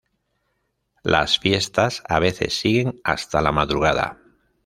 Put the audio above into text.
Las fiestas a veces siguen hasta la madrugada.